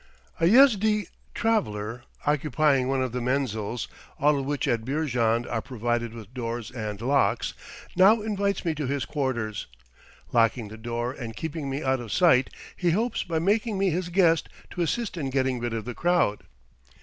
A Yezdi traveller, occupying one of the menzils all of which at Beeriand are provided with doors and locks now invites me to his quarters; locking the door and keeping me out of sight, he hopes by making me his guest to assist in getting rid of the crowd.